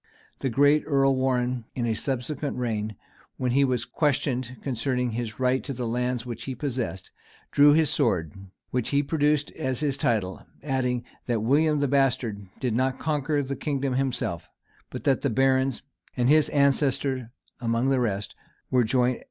The great Earl Warrenne, in a subsequent reign, when he was questioned concerning his right to the lands which he possessed, drew his sword, which he produced as his title; adding, that William the bastard did not conquer the kingdom himself; but that the barons, and his ancestor among me rest, were joint adventurers in the enterprise.